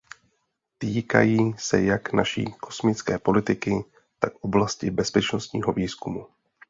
Týkají se jak naší kosmické politiky, tak oblasti bezpečnostního výzkumu.